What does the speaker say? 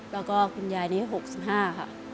แล้วก็คุณยายนี้๖๕ค่ะ